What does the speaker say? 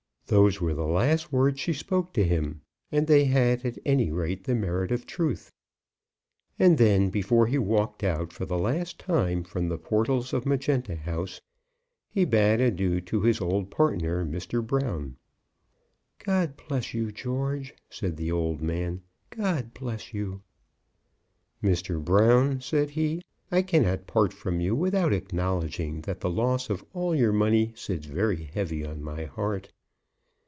Those were the last words she spoke to him, and they had, at any rate, the merit of truth. And then, before he walked out for the last time from the portals of Magenta House, he bade adieu to his old partner Mr. Brown. "God bless you, George!" said the old man; "God bless you!" "Mr. Brown," said he, "I cannot part from you without acknowledging that the loss of all your money sits very heavy on my heart."